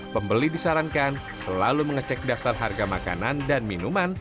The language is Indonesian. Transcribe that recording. pembeli disarankan selalu mengecek daftar harga makanan dan minuman